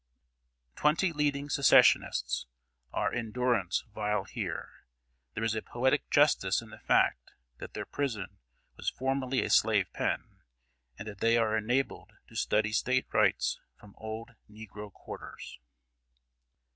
Twenty leading Secessionists are in durance vile here. There is a poetic justice in the fact that their prison was formerly a slave pen, and that they are enabled to study State Rights from old negro quarters.